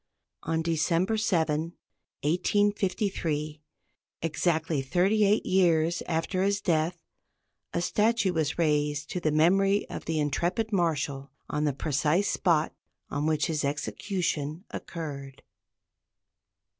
On December 7, 1853, exactly thirty eight years after his death, a statue was raised to the memory of the intrepid Marshal on the precise spot on which his execution occurred.